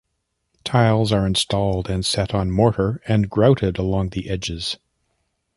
Tiles are installed and set on mortar and grouted along the edges.